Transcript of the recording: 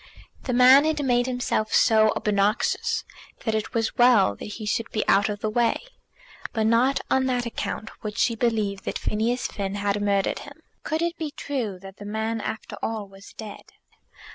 The man had made himself so obnoxious that it was well that he should be out of the way. But not on that account would she believe that Phineas Finn had murdered him. Could it be true that the man after all was dead?